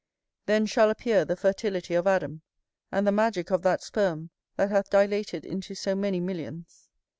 Then shall appear the fertility of Adam, and the magick of that sperm that hath dilated into so many millions.